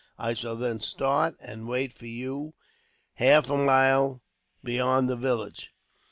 I shall then start, and wait for you half a mile beyond the village."